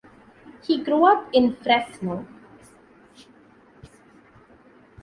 He grew up in Fresno.